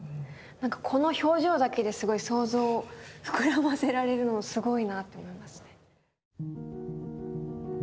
この表情だけですごい想像を膨らませられるのもすごいなと思いますね。